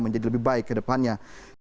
menjadi lebih baik ke depannya